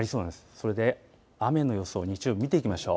それで雨の予想、日曜日見ていきましょう。